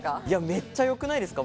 めっちゃよくないですか？